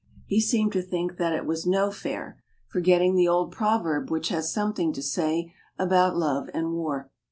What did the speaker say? He seemed to think it was "no fair," forgetting the old proverb which has something to say about love and war.